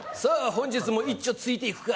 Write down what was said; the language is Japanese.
本日もいっちょついていくか